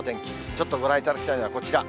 ちょっとご覧いただきたいのはこちら。